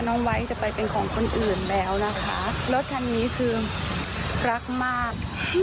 ไว้จะไปเป็นของคนอื่นแล้วนะคะรถคันนี้คือรักมาก